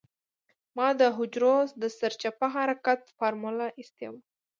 ما د حجرو د سرچپه حرکت فارموله اېستې وه.